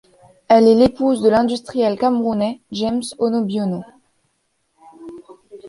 Elle est l'épouse de l'industriel camerounais James Onobiono.